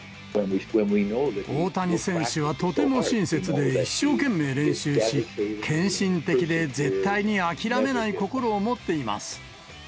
大谷選手はとても親切で一生懸命練習し、献身的で絶対に諦めない心を持っています。